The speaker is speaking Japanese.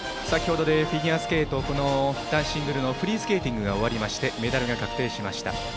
先ほどでフィギュアスケート男子シングルフリースケーティングが終わりメダルが確定しました。